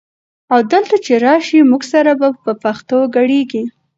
او دلته چې راشي موږ سره به په پښتو ګړېیږي؛